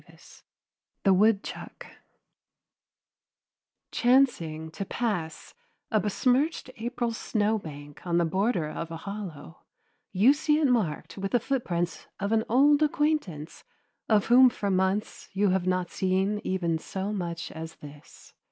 VII THE WOODCHUCK Chancing to pass a besmirched April snowbank on the border of a hollow, you see it marked with the footprints of an old acquaintance of whom for months you have not seen even so much as this.